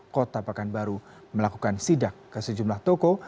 kota pekanbaru melakukan sidak ke sejumlah toko